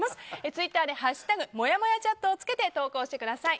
ツイッターで「＃もやもやチャット」をつけて投稿してください。